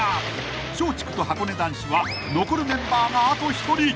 ［松竹とはこね男子は残るメンバーがあと１人］